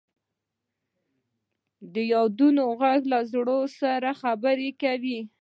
د یادونو ږغ له زړه سره خبرې کوي.